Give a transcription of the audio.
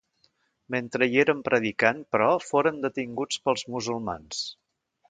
Mentre hi eren predicant, però, foren detinguts pels musulmans.